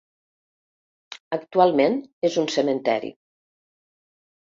Actualment és un cementeri.